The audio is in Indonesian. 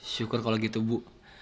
syukur kalau gitu bu